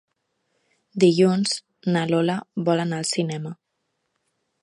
Dilluns na Lola vol anar al cinema.